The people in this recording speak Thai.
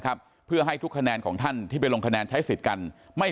เพื่อให้ทุกคะแนนของท่านที่ไปลงคะแนนใช้สิทธิ์กันไม่